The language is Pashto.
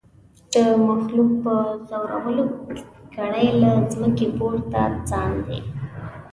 د مخلوق په زورولو کړي له مځکي پورته ساندي